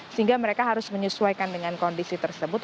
sehingga mereka harus menyesuaikan dengan kondisi tersebut